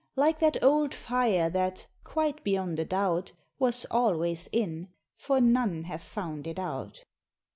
Like that old fire, that, quite beyond a doubt, Was always in, for none have found it out.